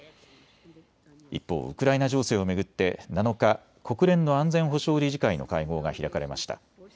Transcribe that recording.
一方、ウクライナ情勢を巡って７日、国連の安全保障理事会の会合が開かれました。